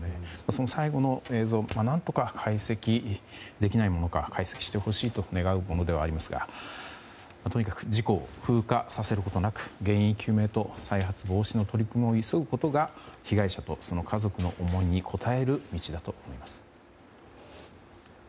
その最後の映像何とか解析できないものか解析してほしいと願うものではありますがとにかく事故を風化させることなく原因究明と再発防止の取り組みを急ぐことが被害者と、その家族の思いに応える道だと思います。